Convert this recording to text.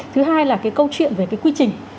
thứ hai là cái câu chuyện về cái quy trình